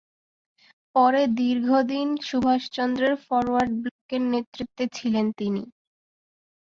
পরে দীর্ঘদিন সুভাষচন্দ্রের ফরওয়ার্ড ব্লকের নেতৃত্বে ছিলেন তিনি।